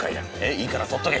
いいから取っとけ。